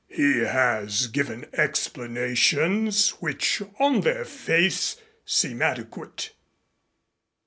He has given explanations which, on their face, seem adequate.